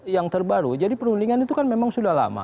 yang terbaru jadi perundingan itu kan memang sudah lama